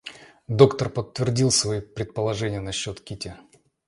Доктор подтвердил свои предположения насчет Кити.